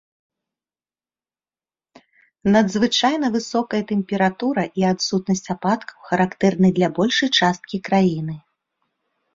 Надзвычайна высокая тэмпература і адсутнасць ападкаў характэрны для большай часткі краіны.